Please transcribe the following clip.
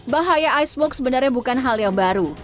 bahaya icebox sebenarnya bukan hal yang baru